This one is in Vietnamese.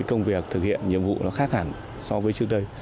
công việc thực hiện nhiệm vụ nó khác hẳn so với trước đây